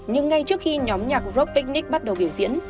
nhưng ngay trước khi nhóm nhạc rock picnic bắt đầu biểu diễn